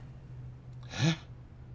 えっ？